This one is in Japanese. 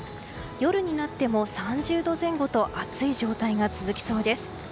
夜になっても３０度前後と暑い状態が続きそうです。